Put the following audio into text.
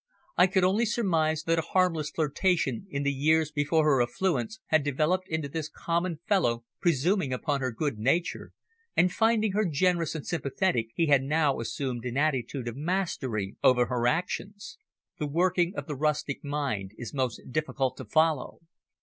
I could only surmise that a harmless flirtation in the years before her affluence had developed into this common fellow presuming upon her good nature, and, finding her generous and sympathetic, he had now assumed an attitude of mastery over her actions. The working of the rustic mind is most difficult to follow.